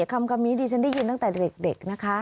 คำนี้ดิฉันได้ยินตั้งแต่เด็กนะคะ